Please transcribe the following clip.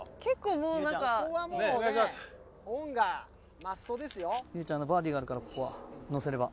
有ちゃんのバーディーがあるからここはのせれば。